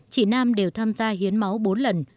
chị nam đều tham gia hiến máu bốn lần